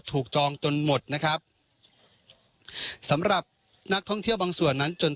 จองจนหมดนะครับสำหรับนักท่องเที่ยวบางส่วนนั้นจน